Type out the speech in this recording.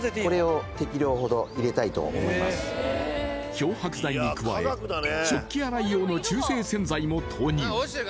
漂白剤に加え食器洗い用の中性洗剤も投入。